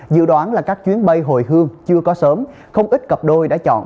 dự đoán là các chuyến bay hồi hương chưa có sớm không ít cặp đôi đã chọn